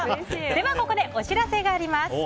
ではここでお知らせがあります。